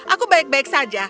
aku baik baik saja